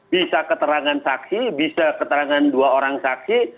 bisa keterangan saksi bisa keterangan dua orang saksi